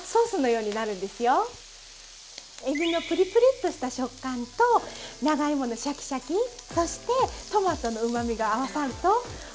えびのプリプリッとした食感と長芋のシャキシャキそしてトマトのうまみが合わさると食べごたえ満点なんです。